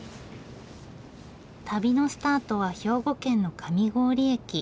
旅のスタートは兵庫県の上郡駅。